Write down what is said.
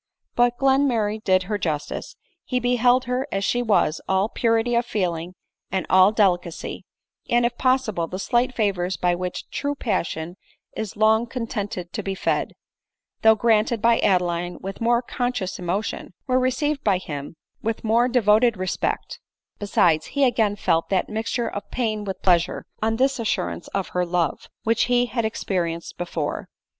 But Glenmurray did her justice ; he beheld her. as she was — all purity 01 feeling and all delicacy ; and, if possible, the slight favors by which true passion is long contented to be fed, though granted by Adeline with more conscious emotion, were received by him with more de voted respect : besides, he again felt that mixture of pain with pleasure, on this assurance of her love, which he had experienced before.